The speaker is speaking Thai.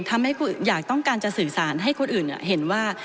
ไม่อยากต้องการจะสื่อสารให้คนอื่นเห็นว่า